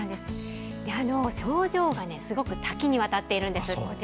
症状がすごく多岐にわたっているんです。